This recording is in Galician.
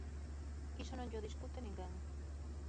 Iso non llo discute ninguén.